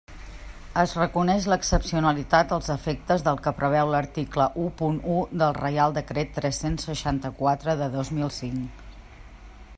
Es reconeix l'excepcionalitat als efectes del que preveu l'article u punt u del Reial Decret tres-cents seixanta-quatre de dos mil cinc.